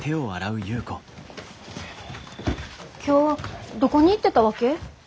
今日どこに行ってたわけ？